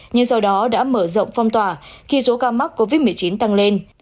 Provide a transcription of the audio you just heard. nhưng do đó đã mở rộng phong tỏa khi số ca mắc covid một mươi chín tăng lên